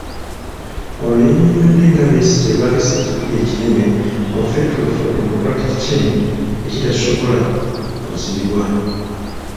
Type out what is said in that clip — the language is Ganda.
Ono yannyonnyodde nga Besigye bw'alese ekituli ekinene mu Federal for Democratic Change ekitasobola kuzibibwa.